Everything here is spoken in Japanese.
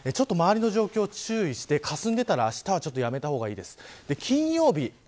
周りの状況に注意してかすんでいたらあしたはやめたほうがいいです。